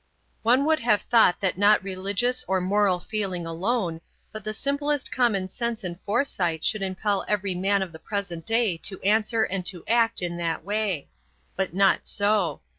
One would have thought that not religious or moral feeling alone, but the simplest common sense and foresight should impel every man of the present day to answer and to act in that way. But not so.